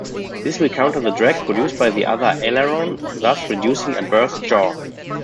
This will counter the drag produced by the other aileron, thus reducing adverse yaw.